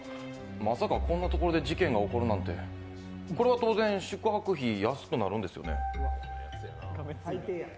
まさかこんなところで事件が起きるなんて、これは当然、宿泊費安くなるんですよね。